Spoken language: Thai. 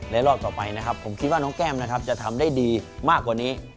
และรอบต่อไปผมคิดว่าน้องแก้มจะทำได้ดีมากกว่านี้